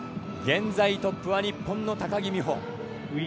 現在トップは日本の高木美帆。